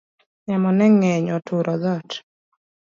Yamo ne ng'eny oturo dhot